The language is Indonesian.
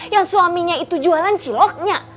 yang suaminya itu jualan ciloknya